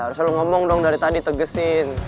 ya harus lo ngomong dong dari tadi tegesin